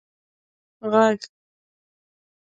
ږغ